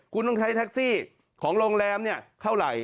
คุณต้องใช้แท็กซี่ของโรงแรมเท่าไหร่